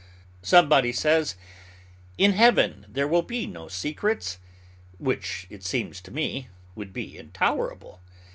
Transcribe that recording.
Somebody says, "In Heaven there will be no secrets," which, it seems to me, would be intolerable.